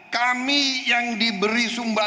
kami yang diberi sumbangan